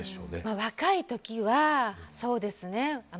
若い時は、そうですね。